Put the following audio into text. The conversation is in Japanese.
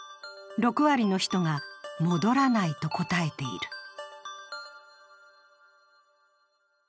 ６割の人が、戻らないと答えている。